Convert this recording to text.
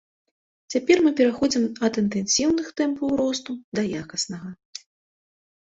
Цяпер мы пераходзім ад інтэнсіўных тэмпаў росту да якаснага.